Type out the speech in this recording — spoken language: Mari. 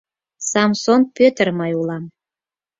Самсон Пӧтыр мый улам.